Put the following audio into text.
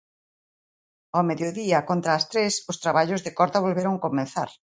Ao mediodía, contra as tres, os traballos de corta volveron comezar.